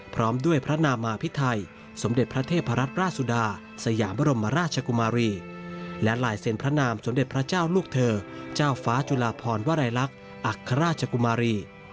พร้อมด้วยพระนามหาพิไทย